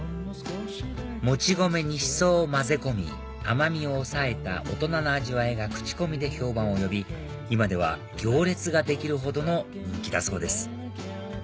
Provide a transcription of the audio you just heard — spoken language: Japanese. もち米にシソを混ぜ込み甘みを抑えた大人の味わいが口コミで評判を呼び今では行列ができるほどの人気だそうです